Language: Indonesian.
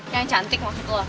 yang cantik masuk lo